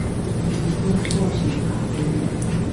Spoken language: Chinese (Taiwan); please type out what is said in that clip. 日本個性派俳優